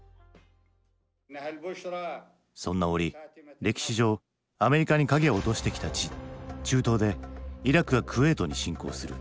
そんな折歴史上アメリカに影を落としてきた地中東でイラクがクウェートに侵攻する。